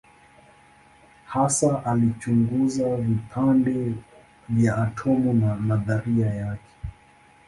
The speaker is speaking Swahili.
Hasa alichunguza vipande vya atomu na nadharia yake.